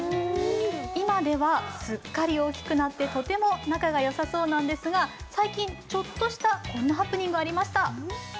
今ではすっかり大きくなってとっても仲が良さそうなんですが、最近ちょっとしたこんなハプニングがありました。